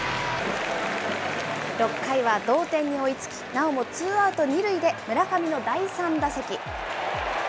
６回は同点に追いつき、なおもツーアウト２塁で、村上の第３打席。